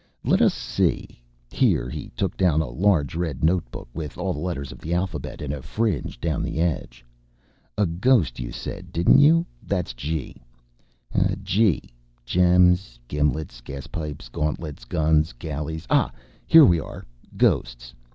"Let us see!" Here he took down a large red notebook, with all the letters of the alphabet in a fringe down the edge. "A ghost you said, didn't you? That's G. G gems gimlets gaspipes gauntlets guns galleys. Ah, here we are. Ghosts.